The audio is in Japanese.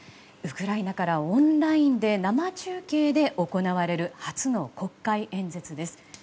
ウクライナからオンラインで生中継で行われる初の国会演説です。